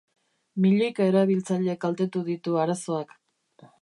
Milioika erabiltzaile kaltetu ditu arazoak.